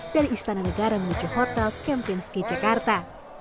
dari istana negara menuju hotel kempinski jakarta